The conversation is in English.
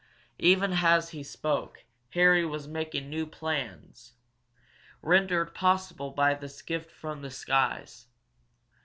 Even as he spoke, Harry was making new plans, rendered possible by this gift from the skies.